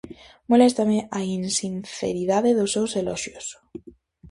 Moléstame a insinceridade dos seus eloxios.